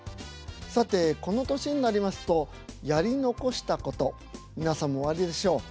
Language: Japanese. さてこの年になりますとやり残したこと皆さんもおありでしょう。